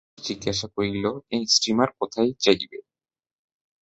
রমেশ জিজ্ঞাসা করিল, এ স্টীমার কোথায় যাইবে?